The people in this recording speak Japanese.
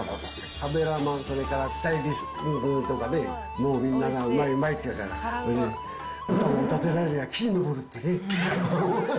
カメラマン、それからスタイリストとかね、もうみんなが、うまいうまいって言うから、豚もおだてられりゃ木に登るってね。